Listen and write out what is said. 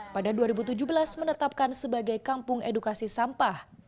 pada dua ribu tujuh belas menetapkan sebagai kampung edukasi sampah